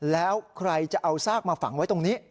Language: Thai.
แล้วใครจะเอาซากมาฝังไว้ตรงนี้